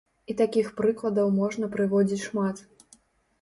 І такіх прыкладаў можна прыводзіць шмат.